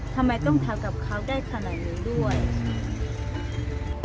ทำไมต้องทำกับเขาได้ขนาดนี้ด้วย